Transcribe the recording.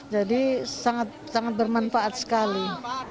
jadi sangat sangat bermanfaat sekali